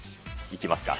いきますか。